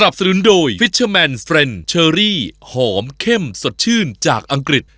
เป็นเชอรี่หอมเข้มสดชื่นจากอังกฤษ